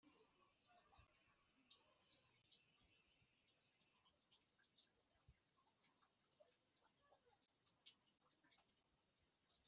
kandi muzanywe amazi yabo ari uko muyaguze amafaranga